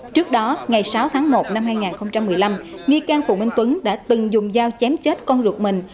trước đó ngày sáu tháng một năm hai nghìn một mươi năm nghi can phùng minh tuấn đã từng dùng dao chém chết con ruột mình